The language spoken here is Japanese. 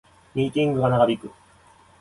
ミーティングが長引く